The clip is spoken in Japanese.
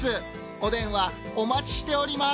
お電話お待ちしております。